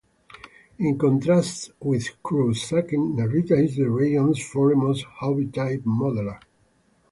In contrast with Kurosaki, Narita is the region's foremost Hobby-type modeler.